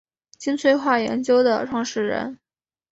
金催化研究的创始人。